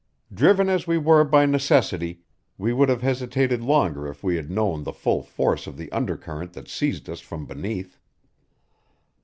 Driven as we were by necessity, we would have hesitated longer if we had known the full force of the undercurrent that seized us from beneath.